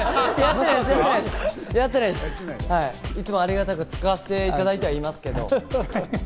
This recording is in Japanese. いつもありがたく使わせていただいてはおりますけど。